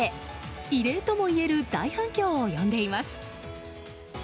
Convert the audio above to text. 異例ともいえる大反響を呼んでいます。